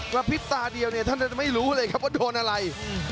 กระพริบตาเดียวเนี่ยท่านจะไม่รู้เลยครับว่าโดนอะไร